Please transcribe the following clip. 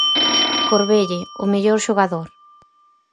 Corbelle, o mellor xogador.